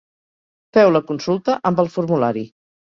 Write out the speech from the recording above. Feu la consulta amb el formulari.